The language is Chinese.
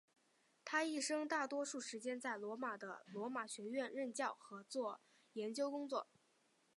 他一生大多数时间在罗马的罗马学院任教和做研究工作。